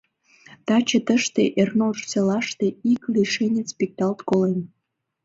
— Таче тыште, Ернур селаште, ик лишенец пикталт колен.